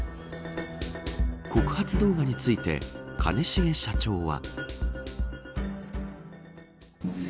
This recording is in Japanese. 告発動画について兼重社長は。